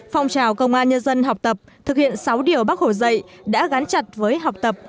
phong trào công an nhân dân học tập thực hiện sáu điều bác hồ dạy đã gắn chặt với học tập